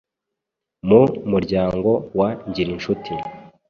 mu muryango wa Ngirincuti.